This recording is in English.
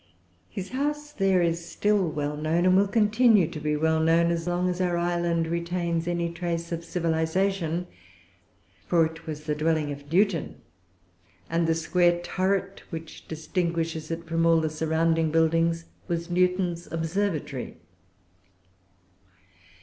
His house there is still well known, and will continue to be well known as long as our island retains any trace of civilization; for it was the dwelling of Newton, and the square turret which distinguishes it from all the surrounding buildings was Newton's observatory.